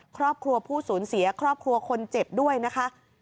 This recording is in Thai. ครอบครัวผู้สูญเสียครอบครัวคนเจ็บด้วยนะคะ